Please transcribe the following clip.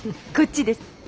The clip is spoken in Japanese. こっちです。